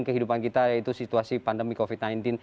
kehidupan kita yaitu situasi pandemi covid sembilan belas